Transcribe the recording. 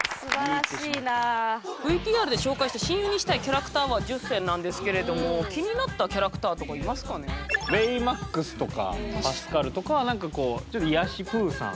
ＶＴＲで紹介した親友にしたいキャラクターは１０選なんですけれどもベイマックスとかパスカルとかは何かこうちょっと癒やしプーさん